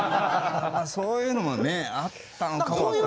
そういうのもねあったのかもわかんない。